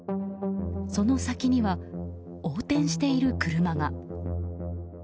その先には横転している車が。